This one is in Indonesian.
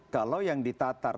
kalau yang ditatar